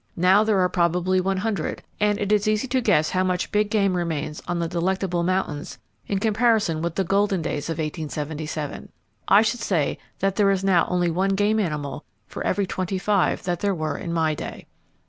Now there are probably one hundred; and it is easy to guess how much big game remains on the Delectable Mountains in comparison with the golden days of 1877. I should say that there is now only one game animal for every twenty five that were there in my day.